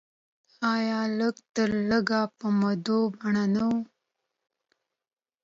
یا لږ تر لږه په مدونه بڼه نه و.